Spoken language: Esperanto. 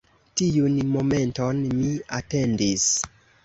Tiun momenton mi atendis.